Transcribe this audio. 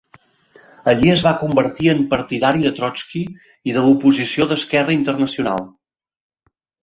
Allí es va convertir en partidari de Trotsky i de l'oposició d'esquerra internacional.